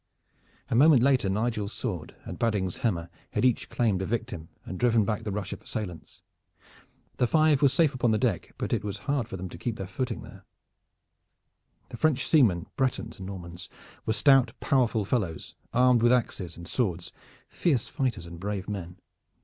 A moment later Nigel's sword and Badding's hammer had each claimed a victim and driven back the rush of assailants. The five were safe upon the deck, but it was hard for them to keep a footing there. The French seamen, Bretons and Normans, were stout, powerful fellows, armed with axes and swords, fierce fighters and brave men.